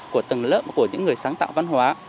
của tầng lớp của những người sáng tạo văn hóa